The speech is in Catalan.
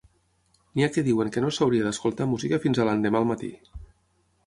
N'hi ha que diuen que no s'hauria d'escoltar música fins a l'endemà al matí.